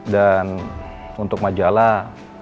dan untuk majalah